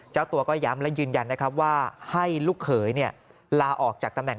เจ้าตัวก็ย้ำและยืนยันนะครับว่าให้ลูกเขยลาออกจากตำแหน